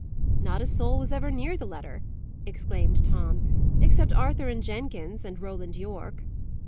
"Not a soul was ever near the letter," exclaimed Tom, "except Arthur and Jenkins, and Roland Yorke."